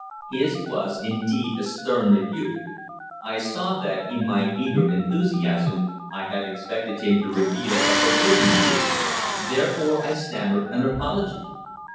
His was, indeed, a stern rebuke. I saw that, in my eager enthusiasm, I had expected him to reveal a forbidden truth. Therefore I stammered an apology.